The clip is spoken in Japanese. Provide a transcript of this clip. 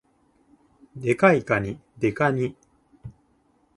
デカいかに、デカニ